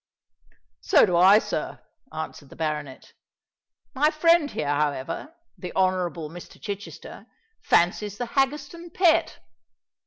"So do I, sir," answered the baronet "My friend here, however—the Honourable Mr. Chichester—fancies the Haggerstone Pet."